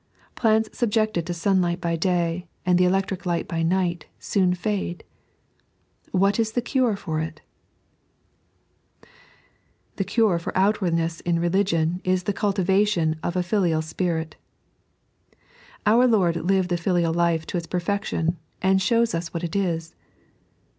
Plants subjected to sunlight by day and the electric light by night soon fade. What, is the cure for it ? The CuaK ton OinwABDiTEaB in Rbliqiom is the cultiva tion of a filial spirit. Our Lord lived the filial life to its perfection, and shows us what it is.